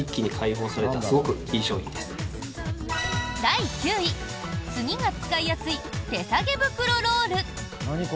第９位次が使いやすい手さげ袋ロール。